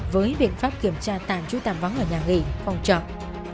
với biện pháp kiểm tra tàn trú tàm vắng ở nhà nghỉ phòng trọng